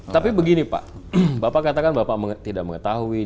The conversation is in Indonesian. tapi begini pak bapak katakan bapak tidak mengetahui dipanggil juga tidak diingat